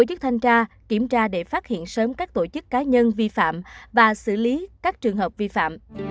hãy đăng ký kênh để ủng hộ kênh của mình nhé